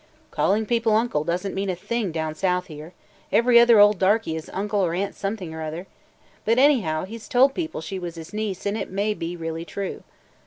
"Calling people uncle does n't mean a thing down South here. Every other old darky is Uncle or Aunt Something or other! But anyhow he 's told people she was his niece and it may be really true."